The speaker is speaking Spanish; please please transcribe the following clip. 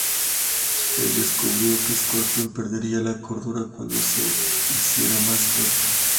Él descubrió que Escorpión perdería la cordura cuando se hiciera más fuerte.